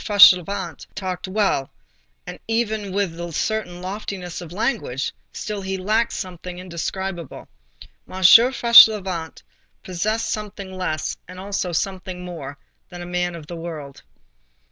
Fauchelevent talked well, and even with a certain loftiness of language—still he lacked something indescribable. M. Fauchelevent possessed something less and also something more, than a man of the world.